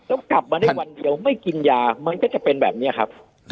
แล้วกลับมาได้วันเดียวไม่กินยามันก็จะเป็นแบบนี้ครับ